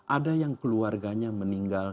ada yang keluarganya meninggal